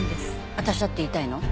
私だって言いたいの？